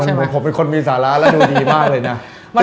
นี่พูดเหมือนผมเป็นคนมีศาละแล้วดูดีมากเลยนะ